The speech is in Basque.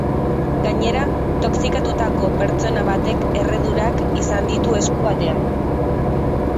Gainera, toxikatutako pertsona batek erredurak izan ditu esku batean.